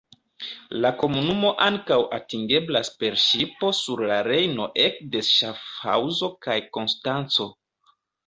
La komunumo ankaŭ atingeblas per ŝipo sur la Rejno ek de Ŝafhaŭzo kaj Konstanco.